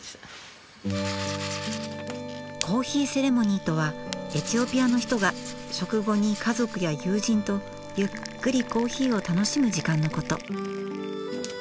コーヒーセレモニーとはエチオピアの人が食後に家族や友人とゆっくりコーヒーを楽しむ時間のこと。